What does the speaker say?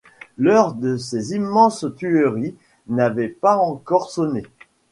L’heure de ces immenses tueries n’avait pas encore sonné.